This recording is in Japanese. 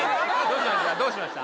どうしました？